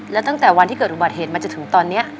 แล้วตั้งแต่วันที่เกิดอุบัติเหตุมาจนถึงตอนนี้